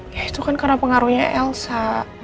ya itu kan karena pengaruhnya elsa